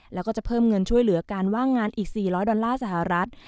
แล้วก็จะเพิ่มเงินช่วยเหลือการว่างงานอีก๔๐๐ดอลลาร์สหรัฐ